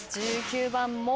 １９番「も」